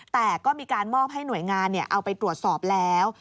แต่ก็มีการมอบให้หน่วยงานเอาไปตรวจสอบแล้ว